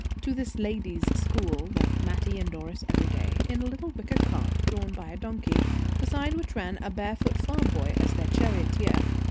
To this "ladies' school" went Mattie and Doris every day, in a little wicker cart, drawn by a donkey, beside which ran a bare foot farm boy as their charioteer.